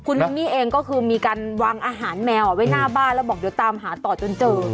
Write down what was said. คุณมินมี่เองก็คือมีการวางอาหารแมวไว้หน้าบ้านแล้วบอกเดี๋ยวตามหาต่อจนเจอ